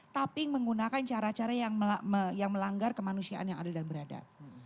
tapi menggunakan cara cara yang melanggar kemanusiaan yang adil dan berada